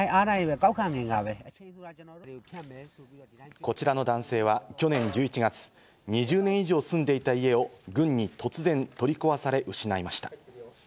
こちらの男性は去年１１月、２０年以上住んでいた家を軍に突然取り壊され、失いました。